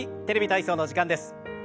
「テレビ体操」の時間です。